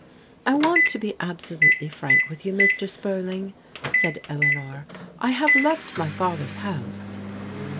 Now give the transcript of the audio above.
"I want to be absolutely frank with you, Mr, Spur ling," said Eleanor. " I have left my father's house."